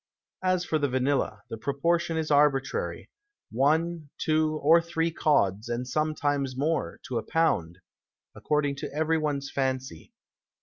As for the Vanilla, the Proportion is arbitrary; one, two, or three Cods, and sometimes more, to a Pound, according to every one's Fancy.